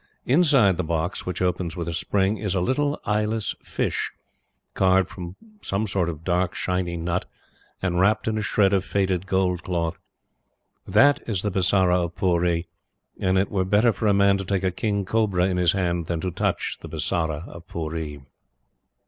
Inside the box, which opens with a spring, is a little eyeless fish, carved from some sort of dark, shiny nut and wrapped in a shred of faded gold cloth. That is the Bisara of Pooree, and it were better for a man to take a king cobra in his hand than to touch the Bisara of Pooree.